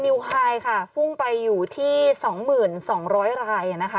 กรณีวคลายค่ะพุ่งไปอยู่ที่๒๒๐๐๐รายนะคะ